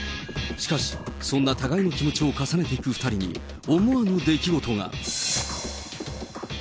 しかし、そんな互いの気持ちを重ねていく２人に、思わぬ出来事が。